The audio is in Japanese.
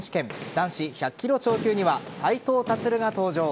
男子１００ｋｇ超級には斉藤立が登場。